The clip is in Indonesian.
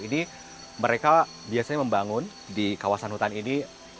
ini mereka biasanya membangun di kawasan hutan ini